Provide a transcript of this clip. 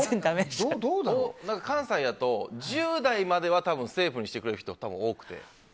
関西やと、１０代まではセーフにしてくれる人は多分多くて。